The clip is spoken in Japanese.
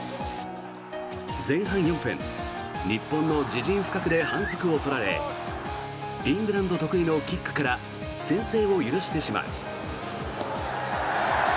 前半４分日本の自陣深くで反則を取られイングランド得意のキックから先制を許してしまう。